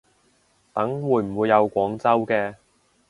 等會唔會有廣州嘅